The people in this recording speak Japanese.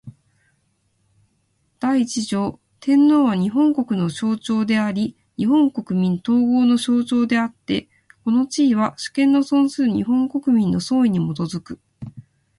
第一条天皇は、日本国の象徴であり日本国民統合の象徴であつて、この地位は、主権の存する日本国民の総意に基く。